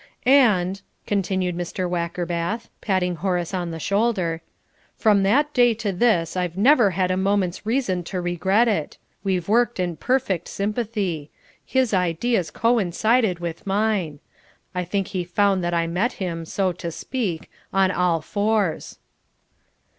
"And," continued Mr. Wackerbath, patting Horace on the shoulder, "from that day to this I've never had a moment's reason to regret it. We've worked in perfect sympathy. His ideas coincided with mine. I think he found that I met him, so to speak, on all fours."